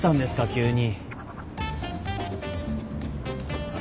急に。